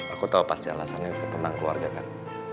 aku tahu pasti alasannya itu tentang keluarga kan